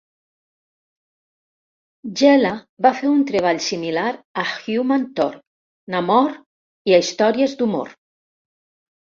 Giella va fer un treball similar a Human Torch, Namor i a històries d'humor.